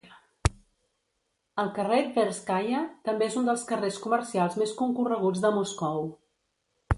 El carrer Tverskaya també és un dels carrers comercials més concorreguts de Moscou.